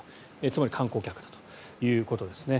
つまり観光客だということですね。